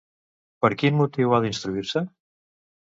Per quin motiu ha d'instruir-se?